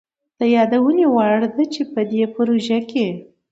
د يادوني وړ ده چي په دې پروژه کي